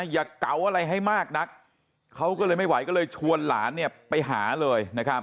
เก๋าอะไรให้มากนักเขาก็เลยไม่ไหวก็เลยชวนหลานไปหาเลยนะครับ